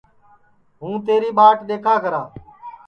ہُوں تیری ٻاٹ دؔیکھا کرا